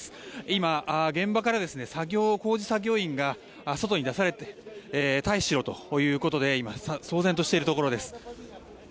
今、現場から工事作業員が外に出されて退避しろということで今、騒然としているところです。